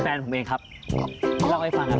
แฟนของผมเองครับเล่าให้ฟังนะครับ